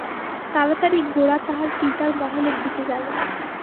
তাড়াতাড়ি গোরা তাহার পিতার মহলের দিকে গেল।